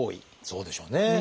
そうでしょうね。